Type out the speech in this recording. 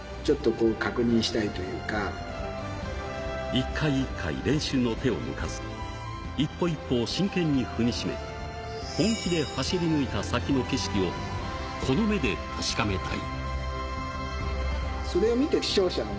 一回一回、練習の手を抜かず、一歩一歩を真剣に踏みしめて、本気で走り抜いた先の景色をこの目で確かめたい。